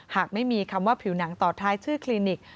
หากไม่มีคำว่าผิวหนังต่อท้ายชื่อคลินิก